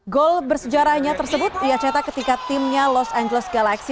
gol bersejarahnya tersebut ia cetak ketika timnya los angeles galaxy